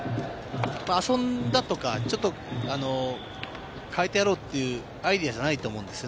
遊んだとか、ちょっと変えてやろうとかというアイデアじゃないと思うんです。